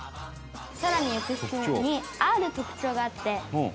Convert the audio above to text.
「更に浴室にある特徴があって」